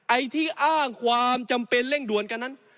ไอ้ที่อ้างความจำเป็นเร่งด่วนกันนั้น